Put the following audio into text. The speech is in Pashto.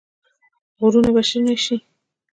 غرونه به شنه شي؟